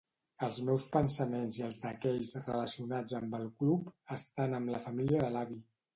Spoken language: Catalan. Els meus pensaments i els d'aquells relacionats amb el club estan amb la família de l'Avi.